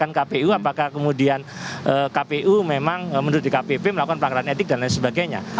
kpu apakah kemudian kpu memang menurut dkpp melakukan pelanggaran etik dan lain sebagainya